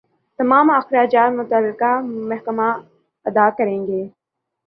تمام اخراجات متعلقہ محکمہ ادا کرے گا